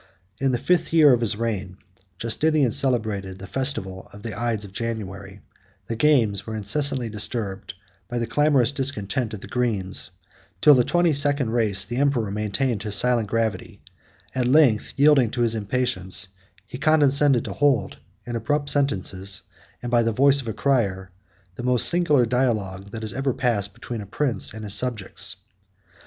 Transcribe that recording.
In the fifth year of his reign, Justinian celebrated the festival of the ides of January; the games were incessantly disturbed by the clamorous discontent of the greens: till the twenty second race, the emperor maintained his silent gravity; at length, yielding to his impatience, he condescended to hold, in abrupt sentences, and by the voice of a crier, the most singular dialogue 50 that ever passed between a prince and his subjects.